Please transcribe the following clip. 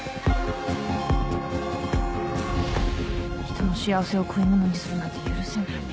人の幸せを食い物にするなんて許せない。